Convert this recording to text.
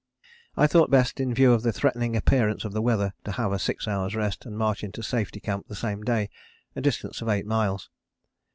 I thought best in view of the threatening appearance of the weather to have a six hours' rest, and march into Safety Camp the same day, a distance of eight miles.